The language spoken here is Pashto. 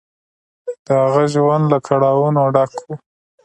د هغه ژوند له کړاوونو ډک و.